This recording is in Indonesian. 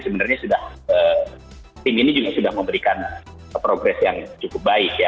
sebenarnya sudah tim ini juga sudah memberikan progres yang cukup baik ya